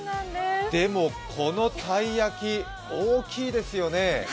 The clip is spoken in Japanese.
でもこのたい焼き、大きいですよね